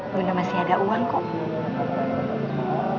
bunda masih ada uang kok